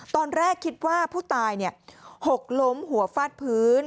ตอนแรกคิดว่าผู้ตายหกล้มหัวฟาดพื้น